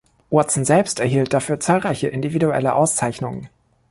Watson selbst erhielt dafür zahlreiche individuelle Auszeichnungen.